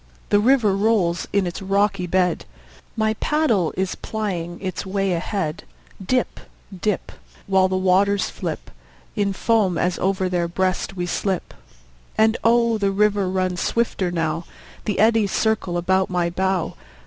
The river rolls in its rocky bed; My paddle is plying its way ahead; Dip, dip, While the waters flip In foam as over their breast we slip. And oh, the river runs swifter now; The eddies circle about my bow.